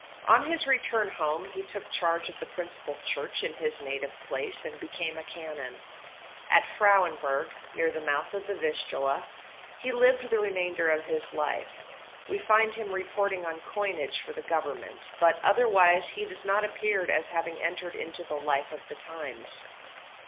On his return home, he took charge of the principal church in his native place, and became a canon. At Frauenburg, near the mouth of the Vistula, he lived the remainder of his life. We find him reporting on coinage for the Government, but otherwise he does not appear as having entered into the life of the times.